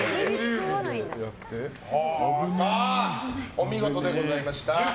お見事でございました。